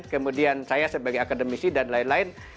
kemudian saya sebagai akademisi dan lain lain